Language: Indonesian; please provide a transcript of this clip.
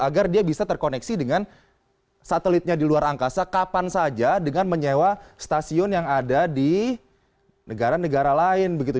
agar dia bisa terkoneksi dengan satelitnya di luar angkasa kapan saja dengan menyewa stasiun yang ada di negara negara lain begitu